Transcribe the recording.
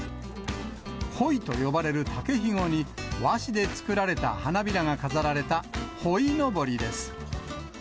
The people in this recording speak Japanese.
ホイと呼ばれる竹ひごに、和紙で作られた花びらが飾られた、ホイノボリです。